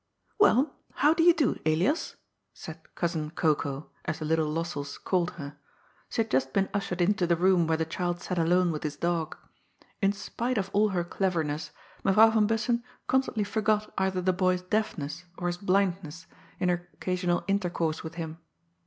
" Well, how do you do, Elias ?'^ said * Cousin Cocoa,' as the little Lossells called her. She had just been ushered into the room where the child sat alone with his dog. In spite of all her cleverness, Mevrouw van Bussen constantly forgot either the boy's deafness or his blindness in her occa r " 64 GOD'S FOOL. sional intercourse with him.